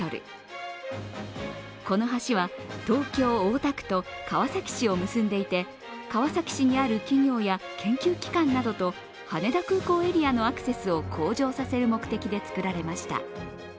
この橋は東京・大田区と川崎市を結んでいて川崎市にある企業や研究機関などと羽田空港エリアのアクセスを向上させる目的で作られました。